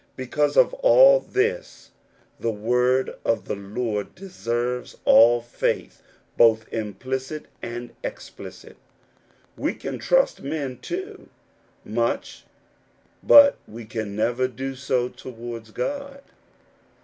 Because of all thisy the word of the Lord deserves all faith, both implicit and explicit. We can trust men too much, but we can never do so towards God.